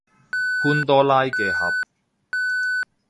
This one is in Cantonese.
潘多拉嘅盒